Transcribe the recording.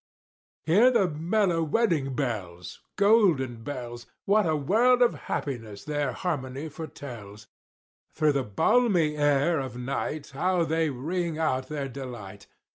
II. Hear the mellow wedding bells Golden bells! What a world of happiness their harmony foretells! Through the balmy air of night How they ring out their delight!